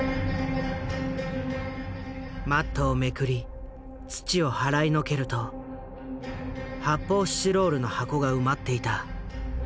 マットをめくり土を払いのけると発泡スチロールの箱が埋まっていた。